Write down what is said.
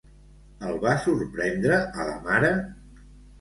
El va sorprendre a la mare?